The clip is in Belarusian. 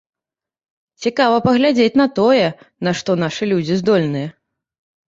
Цікава паглядзець на тое, на што нашы людзі здольныя.